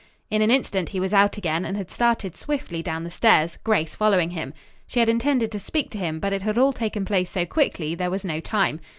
In an instant he was out again and had started swiftly down the stairs, Grace following him. She had intended to speak to him, but it had all taken place so quickly there was no time.